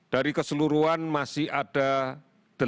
dari keseluruhan masih ada delapan belas provinsi